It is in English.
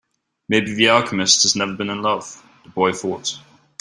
Maybe the alchemist has never been in love, the boy thought.